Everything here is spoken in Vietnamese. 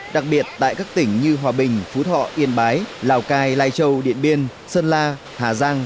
đặc biệt tại các tỉnh như hòa bình phú thọ yên bái lào cai lai châu điện biên sơn la hà giang